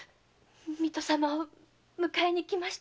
水戸様を迎えに行きました。